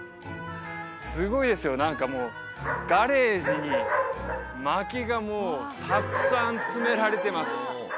すごいですよ何かもうガレージに薪がもうたくさん詰められてます